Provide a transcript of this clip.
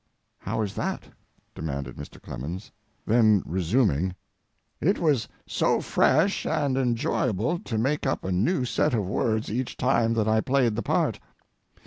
"How is that?" demanded Mr. Clemens. Then resuming] It was so fresh and enjoyable to make up a new set of words each time that I played the part.